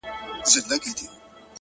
هوډ د اوږدو لارو ملګری دی.!